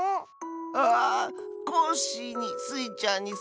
ああコッシーにスイちゃんにサボさん。